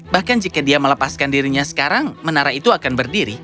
bahkan jika dia melepaskan dirinya sekarang menara itu akan berdiri